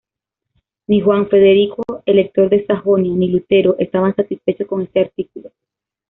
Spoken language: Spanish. Ni Juan Federico, Elector de Sajonia, ni Lutero estaban satisfechos con este artículo.